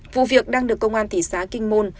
vụ việc đang được công an thị xã kinh môn